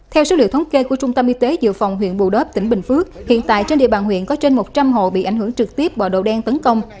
theo số liệu thống kê của trung tâm y tế dự phòng huyện bù đớp tỉnh bình phước hiện tại trên địa bàn huyện có trên một trăm linh hộ bị ảnh hưởng trực tiếp bởi đồ đen tấn công